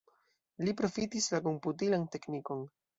Li profitis la komputilan teknikon.